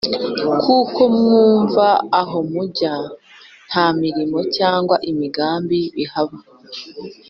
kuko mu mva aho ujya nta mirimo cyangwa imigambi bihaba.